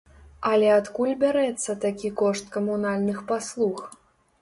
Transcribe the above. Але адкуль бярэцца такі кошт камунальных паслуг?